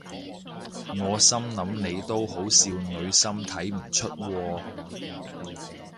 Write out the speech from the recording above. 我心諗你都好少女心睇唔出喎